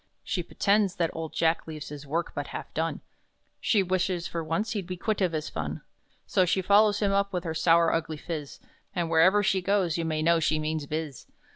She pretends that old Jack leaves his work but half done, She 'wishes for once he'd be quit of his fun!' So she follows him up with her sour, ugly phiz, And wherever she goes, you may know she means 'biz.